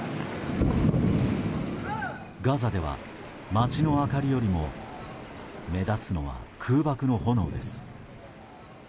ガザでは、街の明かりよりも目立つのは空爆の炎です。